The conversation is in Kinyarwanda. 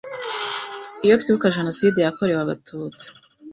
iyo twibuka jenoside yakorewe abatutsi